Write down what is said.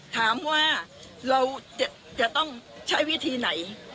ถามว่าเราจะต้องใช้วิธีไหน